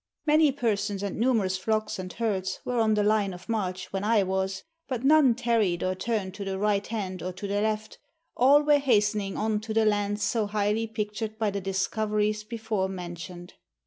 Many persons and numerous flocks and herds were on the line of march when I was, but none tarried or turned to the right hand or to the left ; all were hastening on to the lands so highly pictured by the discoveries before mentioned.